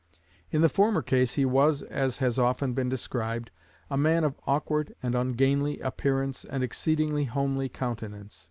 In the former case he was, as has often been described, a man of awkward and ungainly appearance and exceedingly homely countenance.